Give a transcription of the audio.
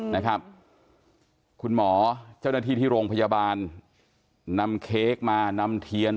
นะครับคุณหมอเจ้าหน้าที่ที่โรงพยาบาลนำเค้กมานำเทียน